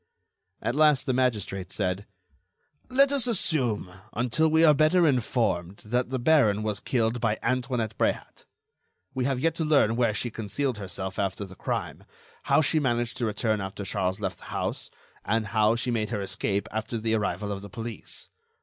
At last, the magistrate said: "Let us assume, until we are better informed, that the baron was killed by Antoinette Bréhat. We have yet to learn where she concealed herself after the crime, how she managed to return after Charles left the house, and how she made her escape after the arrival of the police.